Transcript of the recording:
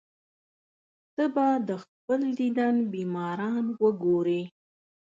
ته به د خپل دیدن بیماران وګورې.